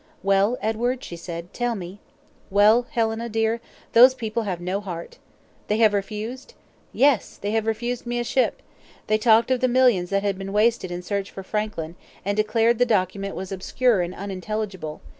"Well, Edward?" she said; "tell me." "Well, Helena, dear; those people have no heart!" "They have refused?" "Yes. They have refused me a ship! They talked of the millions that had been wasted in search for Franklin, and declared the document was obscure and unintelligible.